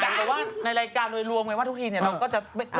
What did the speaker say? แต่ว่าในรายการโดยรวมไงว่าทุกทีเนี่ยเราก็จะ